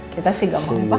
kita sih gak mau opa